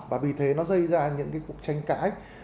và vì thế nó dây ra những cái cuộc tranh cãi